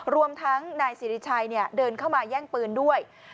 รวมทั้งนายสิริชัยเดินเข้ามาแย่งปืนด้วย